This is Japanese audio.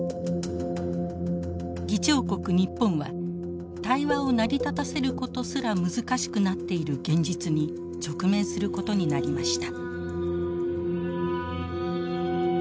議長国日本は対話を成り立たせることすら難しくなっている現実に直面することになりました。